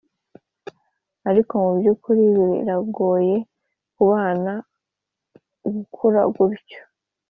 ariko mubyukuri biragoye kubana gukura gutya.